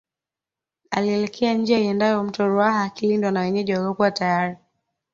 Alielekea njia iendayo mto Ruaha akilindwa na wenyeji waliokuwa tayari